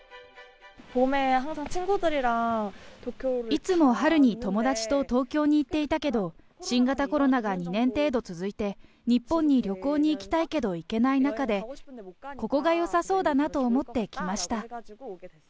いつも春に友だちと東京に行っていたけど、新型コロナが２年程度続いて、日本に旅行に行きたいけど行けない中で、ここがよさそうだなと思って来ました。